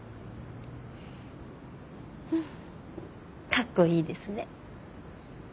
かっこいいですね。